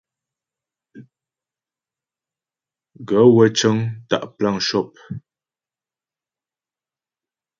Gaə̂ wə́ cə́ŋ tá' plan shɔ́p.